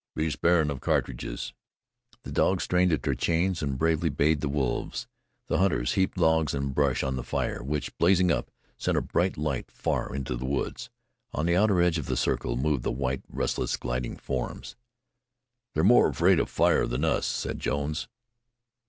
"Be sparin' of cartridges." The dogs strained at their chains and bravely bayed the wolves. The hunters heaped logs and brush on the fire, which, blazing up, sent a bright light far into the woods. On the outer edge of that circle moved the white, restless, gliding forms. "They're more afraid of fire than of us," said Jones.